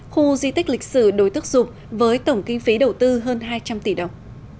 khu di tích lịch sử đồi tức dục với tổng kinh phí đầu tư hơn hai trăm linh tỷ đồng